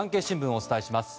お伝えします。